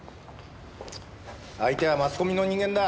相手はマスコミの人間だ。